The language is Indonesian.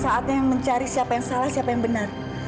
sekarang bukan saatnya mencari siapa yang salah siapa yang benar